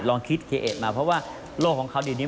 ลองคิดเคเอสมาเพราะว่าโลกของเขาเดี๋ยวนี้